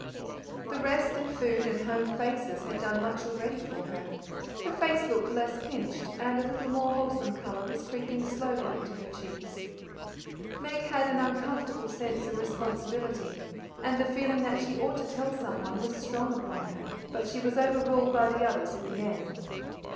The rest and food and home faces had done much already for her; her face looked less pinched, and a little more wholesome colour was creeping slowly into her cheeks. Meg had an uncomfortable sense of responsibility, and the feeling that she ought to tell someone was strong upon her; but she was overruled by the others in the end.